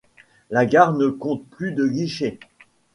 La gare ne compte plus de guichets.